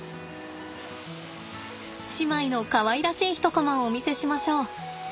姉妹のかわいらしい一コマをお見せしましょう。